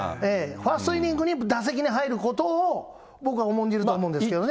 ファーストイニングに打席に入ることを、僕は重んじると思うんですけどね。